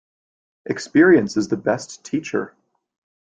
Experience is the best teacher.